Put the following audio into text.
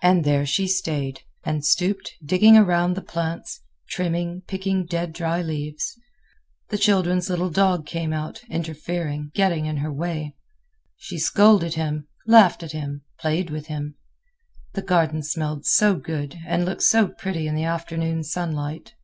And there she stayed, and stooped, digging around the plants, trimming, picking dead, dry leaves. The children's little dog came out, interfering, getting in her way. She scolded him, laughed at him, played with him. The garden smelled so good and looked so pretty in the afternoon sunlight.